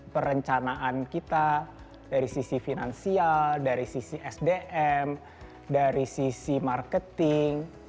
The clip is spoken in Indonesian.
perencanaan kita dari sisi finansial dari sisi sdm dari sisi marketing